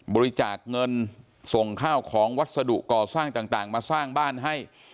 บริจาคเงินส่งข้าวของวัสดุก่อสร้างต่างมาสร้างบ้านให้